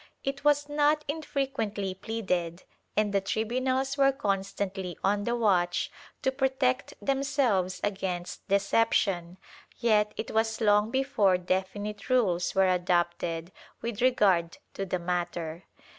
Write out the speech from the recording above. It was not infrequently pleaded, and the tribunals were constantly on the watch to protect themselves against deception, yet it was long before definite rules were adopted with regard to the matter.